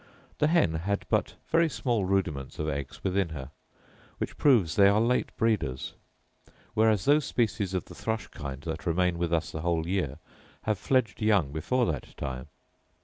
The hen had but very small rudiments of eggs within her, which proves they are late breeders; whereas those species of the thrush kind that remain with us the whole year have fledged young before that time.